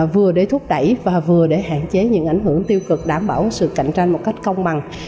vừa để thúc đẩy và vừa để hạn chế những ảnh hưởng tiêu cực đảm bảo sự cạnh tranh một cách công bằng